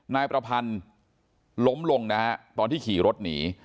นายประพันธ์ล้มลงนะฮะตอนที่ขี่รถหนี